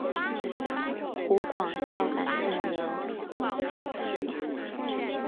湖广孝感县人。